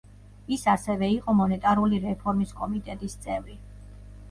ის ასევე იყო მონეტარული რეფორმის კომიტეტის წევრი.